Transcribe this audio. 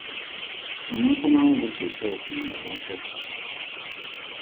Onookomawo budde ki okundabako?